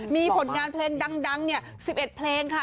มีผลงานเพลงดัง๑๑เพลงค่ะ